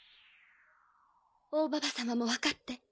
大ババ様も分かって。